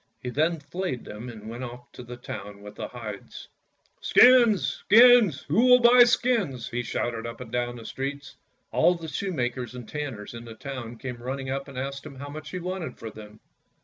He then flayed them and went off to the town with the hides. "Skins, skins, who will buy skins?" he shouted up and down the streets. GREAT CLAUS AND LITTLE CLAUS 151 All the shoemakers and tanners in the town came running up and asked him how much he wanted for them.